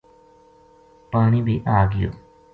پانی بے آگیو